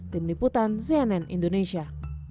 tim liputan znn indonesia